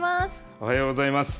おはようございます。